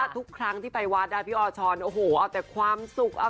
ทุกครั้งที่ไปวัดพี่ออชรโอ้โหเอาแต่ความสุข